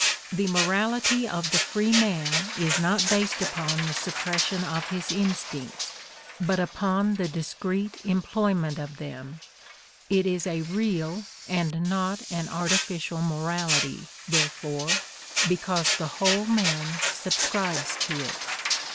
The morality of the free man is not based upon 178 Those Extraordinary Twins 179 the suppression of his instincts but upon the discreet employment of them: it is a real and not an artificial morality, therefore, because the whole man subscribes to it.